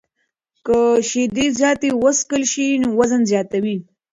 که شیدې زیاتې وڅښل شي، وزن زیاتوي.